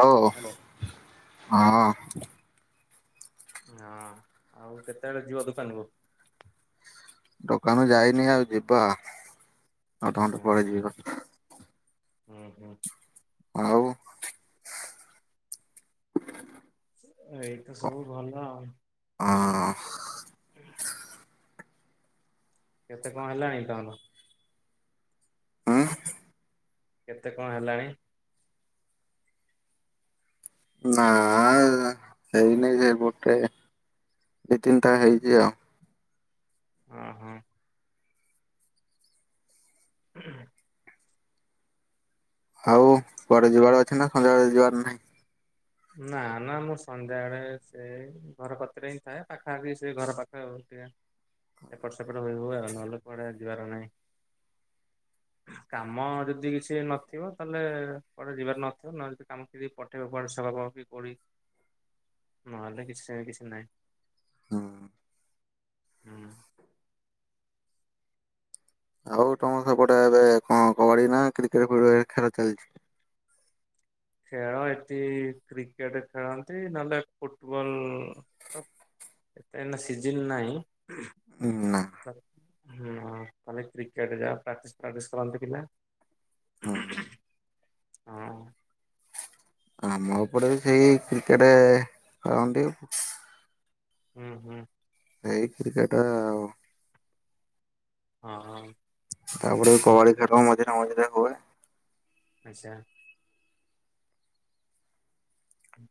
Hello ହଁ। ହଁ ଆଉ କେତେବେଳେ ଯିବ ଦୋକାନକୁ? ଦୋକାନ ଯାଇନି ଆଉ ଯିବା ଅଧ ଘଣ୍ଟେ ପରେ ଓହୋ ଯିବ। ହୁଁ ହୁଁ। ଆଉ [inaudible] ଏଇତ ସବୁ ଭଲ ଆଉ। ଅଁ। କେତେ କଣ ହେଲାଣି ତମର। ଆଁ। କେତେ କଣ ହେଲାଣି। ନା ସେଇ ନାଇଁ ସେଇ ଗୋଟେ। ଦୁଇ ତିନିଟା ହେଇଛି ଆଉ। ଅଁ ହଁ। ଉଁ ହୁଁ। ଆଉ କୁଆଡେ ଯିବାର ଅଛି ନା ସନ୍ଧ୍ୟାବେଳେ ଯିବାର ନାହିଁ। ନା ନା ମୁଁ ସନ୍ଧ୍ୟାବେଳେ ସେ ଘର କତିରେ ହିଁ ଥାଏ ପାଖାପଖି ସେ ଘର ପାଖ ଆଉ। ଏକୁଟିଆ ଏପଟ ସେପଟ ହ ହୁଏ ନହେଲେ କୁଆଡେ ଯିବାର ନାହିଁ। [inaudible] କାମ ଯଦି କିଛି ନଥିବ ତାହେଲେ କୁଆଡେ ଯିବାର ନଥିବ ନହେ ଯଦି କାମ କି ପଠେଇବା ପ ହବ କି କରି ନହେଲେ କିଛି ନାହିଁ କିଛି ନାହିଁ। ହଁ। ହୁଁ। ଆଉ ତମର ସେପଟେ ଏବେ କଣ କବାଡି ନା କ୍ରିକେଟ ପ୍ରିକେଟ ଖେଳ ଚାଲିଛି। ଖେଳ ଏଠି କ୍ରିକେଟ ଖେଳନ୍ତି ନହେଲେ ଫୁଟବଲ ତ। ଏତେ ଏନା ସିଜନ୍ ନାହିଁ। ନା ହଁ କାଲି କ୍ରିକେଟ ଯାହା ପ୍ରାକ୍ଟିସ୍ ଫ୍ରାକ୍ଟିସ୍ କରନ୍ତି ପିଲା। ହଁ। ହଁ। ଆମ ଏପଟ ସେଇ କ୍ରିକେଟ ଖେଳନ୍ତି। ହୁଁ ହୁଁ। ଏଇ କ୍ରିକେଟ ଆଉ। ଅଁ ହଁ। ତାପରେ କବାଡ଼ି ଖେଳ ମଝିରେ ମଝିରେ ହୁଏ। ଆଚ୍ଛା।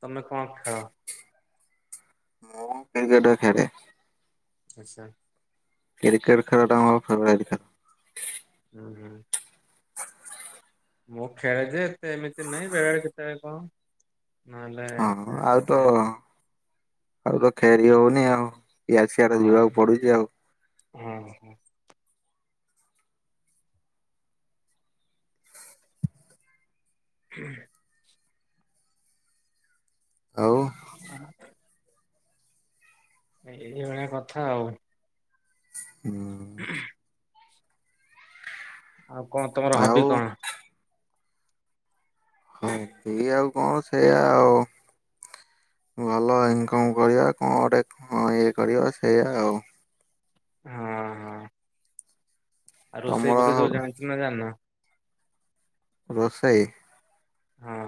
ତମେ କଣ ଖେଳ। ମୁଁ କ୍ରିକେଟ ଖେଳେ। ଆଛା। କ୍ରିକେଟ ଖେଳଟା ମର ଫେଭୋରାଇଟ ଖେଳ। ହୁଁ ହୁଁ। ମୁଁ ଖେଳ ଯେ ଏତେ ଏମିତି ନହିଁ ବେଳେଳେ କେତେବେଳେ କଣ। ନହେଲେ ହଁ ଏତେ ଆଉ ତ ଖେଳେନି। ଆଉ ତ ଖେରି ହଉନି ଆଉ ଇଆଡ଼େ ସିଆଡେ ଯିବାକୁ ପଡୁଛି ଆଉ। ହୁଁ ହୁଁ। ହୁଁ। ଆଉ। ଆଁ। ଏଇ ଭଳିଆ କଥା ଆଉ। ହୁଁ ଖୁଁ ଉଁ। ଆଉ କଣ ତମର ଆଉ ହବି କଣ? ହଁ ଏ ଆଉ କଣ ସେଇଆ ଆଉ। ଭଲ ଇନକମ କରିବା କଣଟେ କଣ ଇଏ କରିବା ସେଇଆ ଆଉ। ହଁ ହଁ। ଆଉ ରୋଷେଇ ତମର ଫୋସେଇ ଜାଣିଛ ନା ଜାଣିନ? ରୋଷେଇ। ହଁ।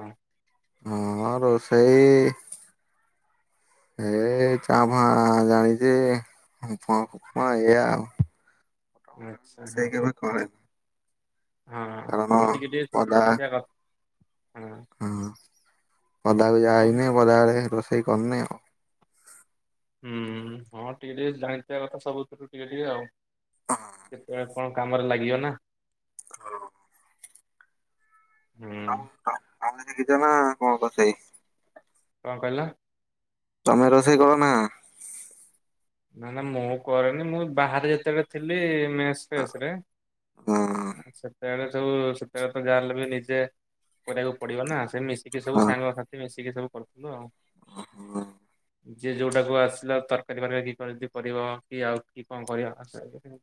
ହଁ, ରୋଷେଇ-ଇ ଏ-ଏ ଚାଁ ଭାଁ ଜାନିଛି। [unintelligible] ଏଇଆ ଆଉ। ଆଚ୍ଛା, ହୁଁ ରୋଷେଇ ଉ। କେବେ କରେନି ହଁ କାରଣ ହଁ ଟିକେ ଟିକେ ପଦା ଶିଖିଥିବା କଥ। ହଁ। ପଦାକୁ ସବୁ ଯାଇନି। ବରା ବେଳେ ରୋଷେଇ କରିନି ଆଉ। ହୁଁ, ହଁ ଟିକେ ଟିକେ ଜାଣିିଥିବା କଥା, ସବୁଥିରୁ ଟିକେ ଟିକେ ଆଉ। କେତେବେଳେ କଣ କାମରେ ଲାଗିବ ନା? ହଁ। ଆଉ, ହୁଁ ତ-ତମେ ଶିଖିଚନା କଣ ରୋଷେଇ? କଣ କହିଲ? ତମେ ରୋଷେଇ କର ନା? ନା ନା ମୁଁ କରେନି। ମୁଁ ବାହାରେ ଯେତେବେଳେ ଥିଲି-ଇ ମେସ୍ ଫେସ୍ ରେଁ। ଏ ସେତେବେଳେ ଚ ସବୁ ସେତେବେଳେ ତ ଯାହାହେଲେ ବି ନିଜେ କରିବାକୁ ପଡିବ ନା। ସେ ମିଶିକି ସବୁ ସାଙ୍ଗସାଥି ମିଶ ଏତିକି ସବୁ କରୁଥିଲୁ ଆଉ। ହଁ ହଁ। ଯିଏ ଯୋଉଟାକୁ ଆସିଲା ତରକାରୀ ବନେଇକି ହଲଦି ପଡ଼ିବ, କି ଆଉ କି କଣ ପରିବା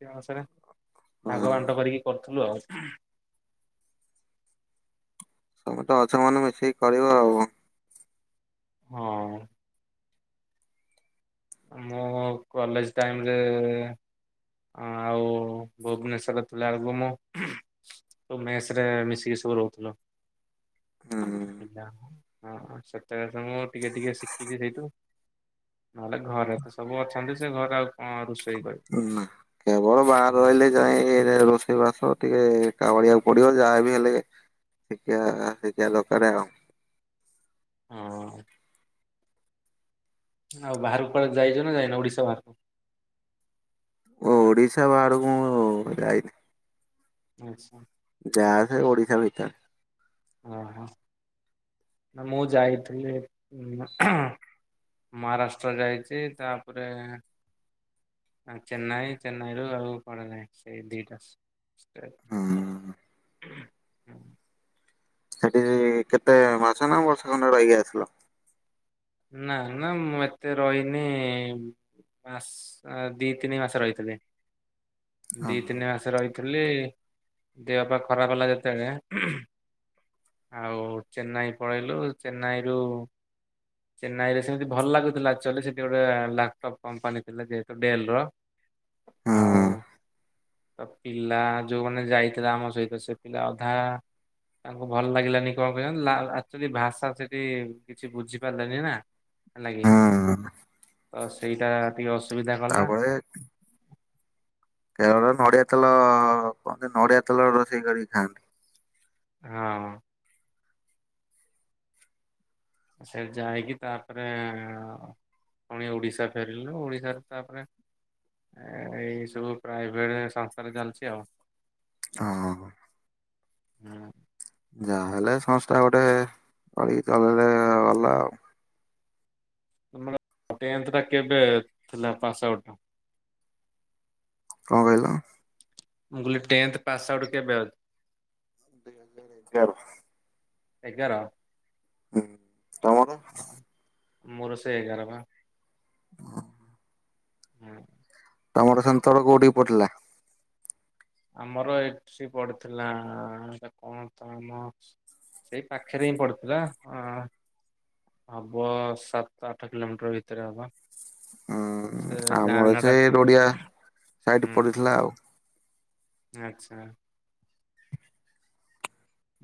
[unintelligible] ହଁ ଭାଗ ବାଣ୍ଟ କରିକି ଥୁଲୁ ଆଉ। ତମେ ତ ଅଛ ମାନେ, ମିଶିକି କରିବ ଆଉ। ହଁ। ମୁଁ କଲେଜ ଟାଇମରେ-ଏ ଆଉ ଭୁବନେଶ୍ଵରରେ ଥିଲା ଆଳକୁ ମୁଁ ତ ମେସ୍ ରେ ମିଶିକି ସବୁ ରହୁଥୁଲୁ। [unintelligible] ହଁ, ସେତେବେଳେ ତ ମୁଁ ଟିକେ ଟିକେ ଶିଖିଛି ସେଇଠୁ। ନହେଲେ ଘରେ ତ ସବୁ ଅଛନ୍ତି, ସେ ଘରେ ଆଉ କଣ ରୁଷ ନା। କେବଳ ବାହାରହିଲେ ଯାଇଁ ରୋଷେଇ ବାସ। ଟିକେ ଏକା ଅଳିଆକୁ ପଡିବ। ଯାହାବି ହେଲେ ଟିକେ ଆ ଶିଖିଆ ଦରକାରେ ଆଉ। ହୁଁ। ଆଉ ବାହାରକୁ କୁଆଡେ ଯାଇଛ ନା ଯାଇନ ଓଡିଶା ବାହାରକୁ? ଓ-ଓଡ଼ିଶା ବାହାରକୁ ମୁଁ ଯାଇନି? ଆଚ୍ଛା। ଯାହା ସେ ଓଡ଼ିଶା ଭିତରେ। ଅହଁ ନା, ମୁଁ ଯାଇଥିଲି ହଁ ମହାରାଷ୍ଟ୍ର ଯାଇଚି। ତାପରେ ଚେନ୍ନାଇ ଚେନ୍ନାଇରୁ ଆଉ କୁଆଡେ ନାହିଁ ସେଇ ଦି ଟା। ଷ୍ଟେଟ ହୁଁ ଉହୁଁ ହୁ। ସେଠି କେତେ ମାସ ନା ବର୍ଷେ ଖଣ୍ଡେ ରହିକି ଆସିଲ? ନା ନା ମୁଁ ଏତେ ରହିନି-ଇ-ଇଁ। ମାସ ଦି ତିନି ମାସ ରହିଥିଲି। ଦି ତିନି ମାସ ରହିଥି ଲି ଦେହପାହ ଖରାପ ହେଲା ଯେତେଳେ ଆଉ ଚେନ୍ନାଇ ପଳେଇଲୁ। ଚେନ୍ନାଇରୁ ଚେନ୍ନାଇ ରେ ସେମିତି ଭଲ ଲାଗୁଥିଲା। ଆକ୍ଚୁଆଲି ସେଠି ଗୋଟେ ଲାପଟପ୍ କମ୍ପାନୀ ଥିଲା, ଯେହେତୁ ଡେଲ ର ଆଉ, ହୁଁ ତ ପିଲା ଯୋଉଁମାନେ ଯାଇଥିଲେ ଆମ ସହିତ, ସେ ପିଲା ଅଧା ତାଙ୍କୁ ଭଲ ଲାଗିଲାନି କଣ କେଆଣି, ଲା ଆକ୍ଚୁଆଲି ଭାଷା ସେଠି କିଛି ବୁଝି ବାଧିଲାନି ନା ହେଲାକି ହୁଁ ତ ସେଇଟା ଫିଅସ୍ ତାପଡେ କେରଳରେ ନଡିଆ ତେଲ ଅ-ଅ କୁହନ୍ତି ନଡିଆ ତେଲରେ ରୋଷେଇ କରିକି ଖାଆନ୍ତି। ହଁ। ସେ ଯାଇକି ତାପରେ ପୁଣି ଓଡିଶା ଫେରିଲୁ ଓଡିଶାରେ ତାପରେ ଏଇ ସବୁ ପ୍ରାଇଭେଟ ସଂସ୍ଥାରେ ଚାଲିଛି ଆଉ ହଁ। ହୁଁ। ଯାହାହେଲେ ସମସ୍ତେ ଗୋଟେ କରିକି ଚଲେଇଲେ ଭଲ ଆଉ ତମର ଟେନ୍ଥ ଟା କେବେ ଥିଲା ପାସ୍ ଆଉଟ? କଣ କହିଲ? ମୁଁ କହିଲି ଟେନଥ ପାସ୍ ଆଉଟ କେବେ ଅ? କାହାର? ଏଗାର ହୁଁ। ତମର ହ ମୋର ସେ ଏଗାର ବା ହୁଁ। ତମର ସେଣ୍ଟର କୋଉଠିକି ପଡିଥିଲା? ଆମର ଏଠି ପଡିଥିଲା ହେଟା କଣ ତ ଆମ ସେଇ ପାଖରେ ହିଁ ପଡିଥିଲା ଅଁ ହବ ସାତ ଆଠ କିଲୋମିଟର ଭିତରେ ହବ ସେ ହୁଁ ଗାଁ ଆମର ନାଁ ଟା ସେ କଣ? ରୂଢିଆ ସାଇଡ ହୁଁ ପଡିଥିଲା ଆଉ ଆଚ୍ଛା।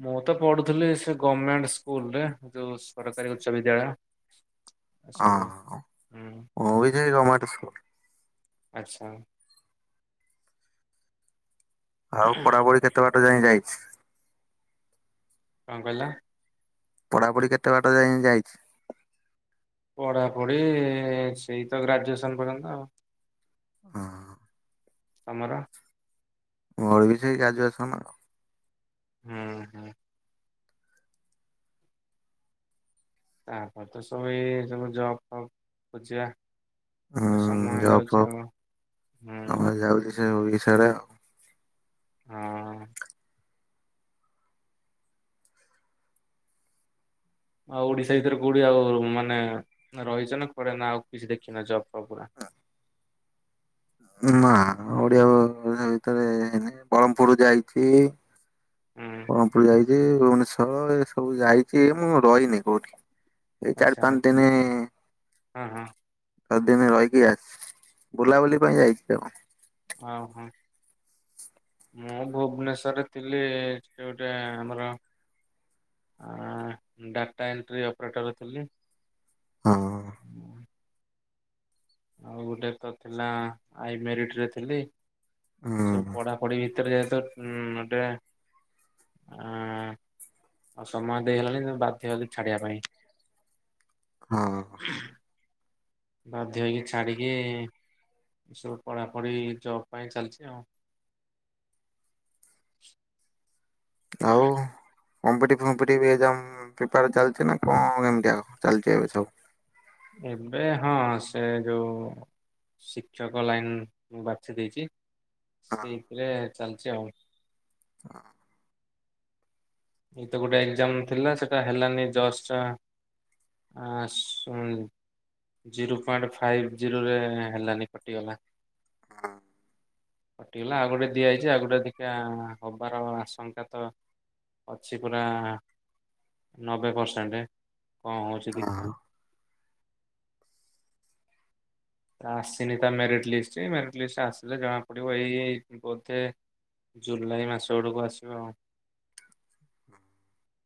ମୁଁ ତ ପଢୁଥିଲି ସେ ଗଭର୍ଣମେଣ୍ଟ ସ୍କୁଲରେ ଯୋଉ ସରକାରୀ ଉଚ୍ଚ ବିଦ୍ୟାଳୟ ହଁ ଏସବୁ ହ ହୁଁ ମୁଁ ବି ସେଇ ଗର୍ମେଣ୍ଟ ସ୍କୁଲ ରେ ଆଚ୍ଛା। ଆଉ ପଢାପଢି କେତେ ବାଟ ଯାଏଁ ଯାଇଛି? କଣ କହିଲ? ପଢାପଢି କେତେ ବାଟ ଯାଏଁ ଯାଇଛି? ପଢାପଢି ସେଇ ତ ଗ୍ରାଜୁଏସନ ପର୍ଯ୍ୟନ୍ତ ଆଉ ହ। ତମର? ମୋର ବି ସେଇ ଗ୍ରାଜୁଏସନ୍ ହୁଁ ହୁଁ। ତାପରେ ତ ସବୁ ଏଇ ଯୋଉ ସବୁ ଜବ୍ ଫବ ଖୋଜିବା ହୁଁ ସମୟ ଜବ୍ ଯାଉଛି ଫବ୍ ଆଉ ହୁଁ ହଁ। ଆମେ ଯାଉଚୁ ସେ ଓଡ଼ିଶାରେ ଆଉ ହଁ। ଆଉ ଓଡିଶା ଭିତରେ କୋଉଠି ଆଉ ମାନେ ରହିଚ ନା କୁଆଡେ ନା ଆଉ କିଛି ଦେଖିନ ଜବ୍ ଫପ୍ ପୁରା ନା ନା ଓଡିଆ ଓଡିଶା ଭିତରେ ନି ବରହ୍ମପୁର ଯାଇଚି ହୁଁ ବରହ୍ମପୁର ଯାଇଚି ଭୁବନେଶ୍ଵର ଏ ସବୁ ଯାଇଚି ମୁଁ ରହିନି କୋଉଠି। ଏଇ ଚାରି ଆଚ୍ଛା ପାଞ୍ଚ ଦିନି ହଁ ହଁ। ଛ ଦିନି ରହିକି ଆସି ବୁଲାବୁଲି ପାଇଁ ଯାଇଛି ଆଉ। ଓ ହୋ। ମୁଁ ଭୁବନେଶ୍ଵରରେ ଥିଲି ସେ ଗୋଟେ ଆମର ଆଁ ଡାଟା ଏଣ୍ଟ୍ରି ଅପରେଟର ଥିଲି ହଁ। ଆଉ ଗୋଟେ ତ ଥିଲା ଆଇ ମେରିଟ୍ ରେ ଥିଲି ଏସବୁ ହୁଁ ପଢାପଢି ଭିତରେ ଯାଏ ତ ଉ ଗୋଟେ ଆଁ ଆଉ ସମୟ ଦେଇହେଲାନି ବାଧ୍ୟ ହେଲି ଛାଡିବା ପାଇଁ। ହଁ। ବାଧ୍ୟ ହେଇକି ଛାଡିକି ଏସବୁ ପଢାପଢି ଜବ୍ ପାଇଁ ଚାଲିଚି ଆଉ। ଆଉ କଂପିଟି ଫମ୍ପିଟେଟିଭ୍ ଏକ୍ ଜାମ୍ ପ୍ରିପେରା ଚାଲିଛି ନା କଣ କେମତି ଚାଲିଛି ଏବେ ସବୁ? ଏବେ ହଁ ସେ ଯୋଉ ଶିକ୍ଷକ ଲାଇନ ମୁଁ ବାଛି ଦେଇଛି। ସେଇଥିରେ ଚାଲିଚି ଆଉ। ଅହ ଏଇ ତ ଗୋଟେ ଏକ୍ଜାମ ଥିଲା ସେଟା ହେଲାନି ଜଷ୍ଟ ଆସୁ ଜିରୋ ପଏଣ୍ଟ ଫାଇଭ ଜିରୋରେ ହେଲାନି କଟିଗଲା। ହଁ। କଟିଗଲା ଆଉ ଗୋଟେ ଦିଆହେଇଛି ଆଉ ଗୋଟେ ଅଧିକା ହବାର ଆଶଙ୍କା ତ ଅଛି ପୁରା ନବେ ପରସେଣ୍ଟ। କଣ ହୋଉଚି ହଁ ଦେଖିଆ। ଆସିନି ତା ମେରିଟ ଲିଷ୍ଟ ମେରିଟ ଲିଷ୍ଟ ଆସିଲେ ଜଣା ପଡିବ ଏଇ ବୋଧେ ଜୁଲାଇ ମାସ ଆଡକୁ ଆସିବ ଆଉ। [inaudible]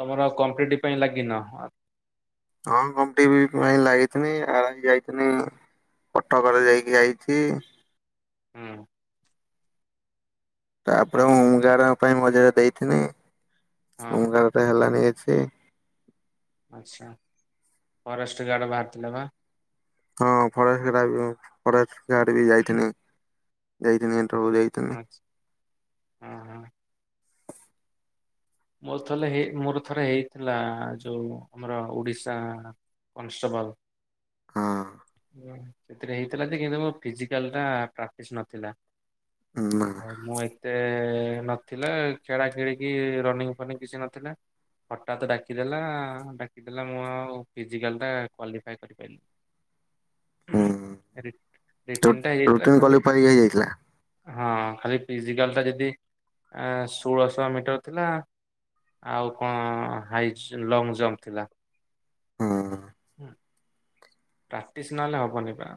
ତମର ଆଉ କମ୍ପ୍ଲିଟ ପାଇଁ ଲାଗିନ? ହଁ କମ୍ପିଟ୍ ପାଇଁ ଲାଗିିଥିନି ଆ ଯାଇଥିଲି କଟକରେ ଯାଇକି ଆଇଚି। ହୁଁ। ତାପରେ କହୁ ହୋମଗାର୍ଡ ପାଇଁ ମଝିରେ ଦେଇଥିନି ହଁ ହୋମଗାର୍ଡ ଟା ହେଲାନି। ସେ ଆଛା। ଫରେଷ୍ଟ ଗାର୍ଡ ବାହାରିଥିଲା ପା? ହଁ ଫରେଷ୍ଟ ଗା ଫରେଷ୍ଟ ଗାର୍ଡ ବି ଯାଇଥିନି ଯାଇ ଆଛା ହଁ ହଁ। ମୋର ଥଲେ ମୋର ଥରେ ହେଇଥିଲା ଯୋଉ ଆମର ଓଡିଶା କନେଷ୍ଟେବଲ। ହଁ ସେଥିରେ ହେଇଥିଲା ଯେ କିନ୍ତୁ ମୋ ଫିଜିକାଲ ଟା ପ୍ରାକ୍ଟିସ ନଥିଲା। ନା ଆଉ ମୁଁ ଏତେ ନଥିଲା ଖେଳା ଖେଳିିକି ରନିଂ ଫନିଂ କିଛି ନଥିଲା ହଠାତ୍ ଡାକିଦେଲା ଡାକିଦେଲା ମୁଁ ଆଉ ଫିଜିକାଲ ଟା କ୍ୱାଲିଫାଏ କରିପାରିଲିନି। ହୁଁ ଆରେ ରୁ ରୁଟିନ୍ କ୍ୱାଲିଫାୟେ ହେଇଯାଇଥିଲା? ହଁ ଖାଲି ଫିଜିକାଲ ଟା ଯଦି ଷୋଳଶହ ମିଟର ଥିଲା ଆଉ କଣ ହାଇ ଲଙ୍ଗ ଜମ୍ପ ଥିଲା। ହୁଁ ହୁଁ। ପ୍ରାକ୍ଟିସ ନହେଲେ ହବନି ପା।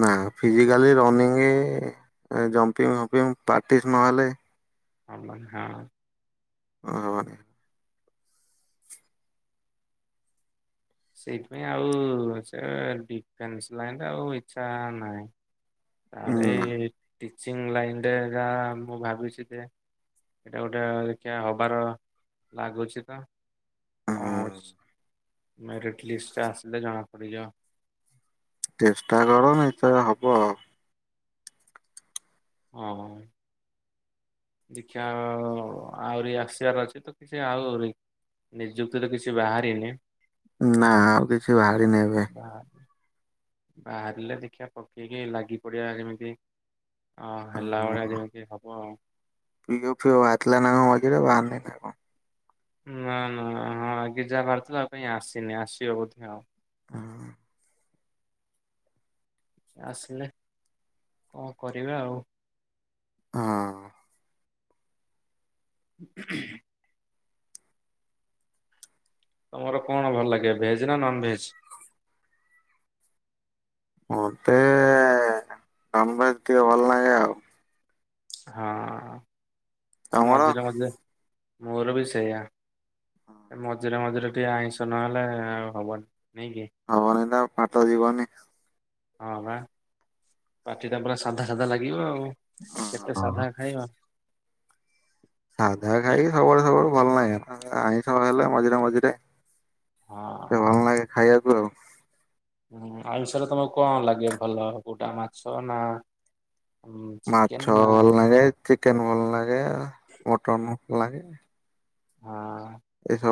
ନା ଫିଜିକାଲି ରନିଂ ଜମ୍ପିଙ୍ଗ ଫପିଙ୍ଗ ପ୍ରାକ୍ଟିସ୍ ନହେଲେ ହଁ ପା ହଁ। ଓ ବା ସେଇଥିପାଇଁ ଆଉ ସେ ଡିଫେନ୍ସ ଲାଇନ ଆଉ ଇଛା ନାହିଁ। ଆରେ ନା ଏଇ ଟିଚିଂ ଲାଇନ ରେ ଯା ମୁଁ ଭାବିଛି ଯେ ଏଇଟା ଗୋଟେ ଦେଖା ହବାର ଲାଗୁଛି ତ। ହୁଁ ମେରଟ ଲିଷ୍ଟ ଆସିଲେ ଜଣା ପଡ଼ିଯିବ। ଚେଷ୍ଟା କରନି ତ ହବ ଆଉ ଆଁ ହୋ। ଦେଖିବା ଆଉ ଆହୁରି ଆସିବାର ଅଛି ତ କି ନିଯୁକ୍ତି ତ କିଛି ବାହାରିନି। ନା ଆଉ କିଛି ବାହାରିନି ଏବେ। ବାହା ବାହାରିଲେ ଦେଖିବା ପକେଇକି ଲାଗି ପଡିବା କେମିତି ଅଁ ହେଲା ଭଳିଆ ଯେମିତି ହବ ଆଉ। ପିଓ ଫିଓ ବହାରିଲାନା କ ମଝିରେ ନା ବାହାରିନିନା କ? ନା ନା ହଁ ଆଗେ ଯାହା ବାହାରିଥିଲା ଆଉ କ ଆସିନି ଆସିବ ବୋଧେ ଆଉ। [unintelligible] ଆସିଲେ କଣ କରିବା ଆଉ? ହଁ। [unintelligible] ତମର କଣ ଭଲ ଲାଗେ ଭେଜ ନା ନନ ଭେଜ? ମତେ ଏ ନନ ଭେଜ ଭଲ ଲାଗେ ଆଉ। ହଁ ତମର ମଝିରେ ମଝିରେ ମୋର ବି ସେଇଆ। ମଝିରେ ମଝିରେ ଟିକେ ଆଇଁଷ ନହେଲେ ଆ ହବନି। ନାଇଁ କି? ହବନି ତା ପାତ ଯିବନି। ହଁ ବା ପାଟି ଟା ପୁରା ସାଧା ସାଧା ଲାଗିବ ଆଉ। କେତେ ସାଧା ଖାଇବା? ସାଧା ୟା ଖାଇକି ସବୁବେଳେ ସବୁବେୁ ଭଲ ନାହିଁ ଆଇଁଷ ହେଲେ ମଝିରେ ମଝିରେ ଟିକେ ଭଲ ହଁ। [unintelligible] ହୁଁ ଆଇିଷରେ ତମକୁ କଣ ଲାଗେ ଭଲ କୋଉଟା ମାଛ ନା ଉଁ, ଚିକେନ ମାଛ ନା ଭଲ ଲାଗେ, ଚିକେନ ଭଲ ଲାଗେ, ମଟନ ଭଲ ଲାଗେ। ହଁ। [unintelligible]